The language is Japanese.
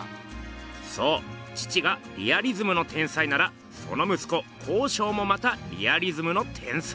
そう父がリアリズムの天才ならその息子康勝もまたリアリズムの天才。